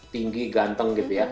tinggi ganteng gitu ya